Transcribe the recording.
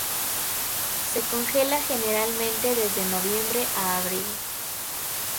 Se congela generalmente desde noviembre a abril.